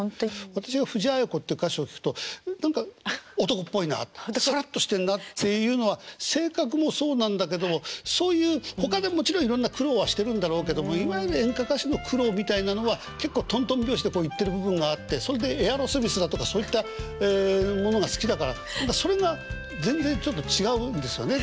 私は藤あや子って歌手を聴くと何か男っぽいなってサラッとしてんなっていうのは性格もそうなんだけどそういうほかでもちろんいろんな苦労はしてるんだろうけどもいわゆる演歌歌手の苦労みたいなのは結構トントン拍子で行ってる部分があってそれでエアロスミスだとかそういったものが好きだからそれが全然ちょっと違うんですよね。